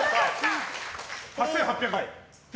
８８００円！